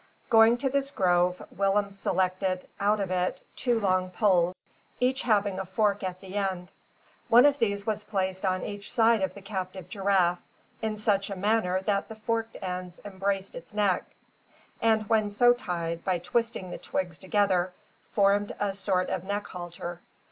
Going to this grove, Willem selected out of it two long poles, each having a fork at the end. One of these was placed on each side of the captive giraffe, in such a manner that the forked ends embraced its neck, and when so tied, by twisting the twigs together, formed a sort of neck halter.